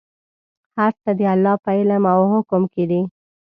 هر څه د الله په علم او حکم کې دي.